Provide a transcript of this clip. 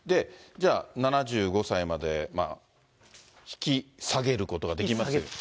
じゃあ、７５歳まで引き下げることができます